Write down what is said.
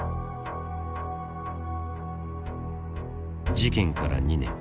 事件から２年